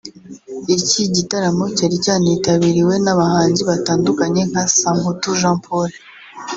Iki gitaramo cyari cyanitabiriwe n’abahanzi batandukanye nka Samputu Jean Paul